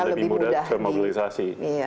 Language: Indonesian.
lebih mudah termobilisasi